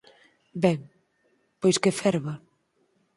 Ben, pois que ferva.